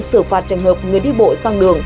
xử phạt trạng hợp người đi bộ sang đường